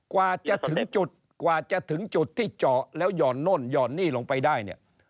กว่าจะถึงจุดที่เจาะแล้วย่อนโน่นย่อนนี่ลงไปได้เนี่ย